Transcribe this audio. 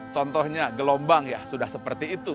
contohnya gelombang ya sudah seperti itu